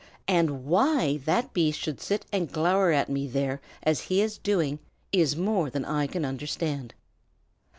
And why that beast should sit and glower at me there as he is doing, is more than I can understand."